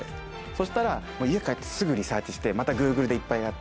そしたら家帰ってすぐリサーチしてまたＧｏｏｇｌｅでいっぱいやって。